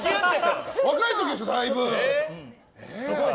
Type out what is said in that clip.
若い時でしょ、だいぶ。